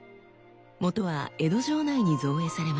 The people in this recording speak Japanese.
もとは江戸城内に造営されました。